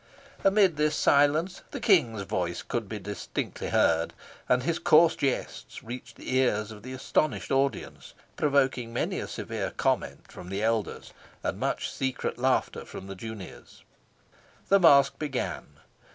Amid this silence the King's voice could be distinctly heard, and his coarse jests reached the ears of all the astonished audience, provoking many a severe comment from the elders, and much secret laughter from the juniors. The masque began.